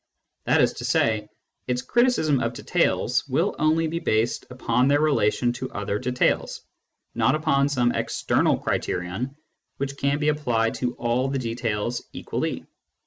That is to say, its criticism of details will only be based upon their relation to other details, not upon some external criterion which can be applied to all the details equally.